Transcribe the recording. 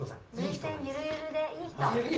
涙腺ゆるゆるで、いい人。